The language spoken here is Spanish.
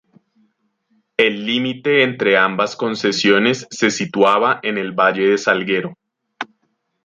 El límite entre ambas concesiones se situaba en el valle de Salguero.